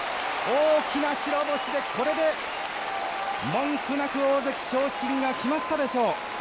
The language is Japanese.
大きな白星でこれで文句なく大関昇進が決まったでしょう。